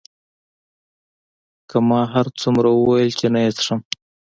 که ما هرڅومره وویل چې نه یې څښم.